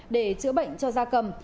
để chữa bệnh cho gia cầm